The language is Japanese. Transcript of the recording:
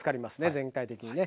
全体的にね。